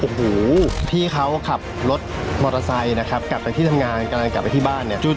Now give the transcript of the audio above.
โอ้โหที่เขาขับรถมอเตอร์ไซค์นะครับกลับไปที่ทำงานกำลังกลับไปที่บ้านเนี่ย